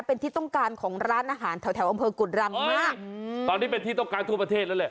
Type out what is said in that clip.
เป็นที่ต้องการของร้านอาหารแถวแถวอำเภอกุฎรังมากอืมตอนนี้เป็นที่ต้องการทั่วประเทศแล้วแหละ